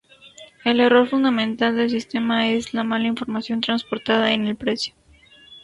El error fundamental del sistema es la mala información transportada en el precio.